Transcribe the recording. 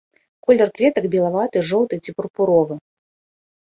Колер кветак белаваты, жоўты ці пурпуровы.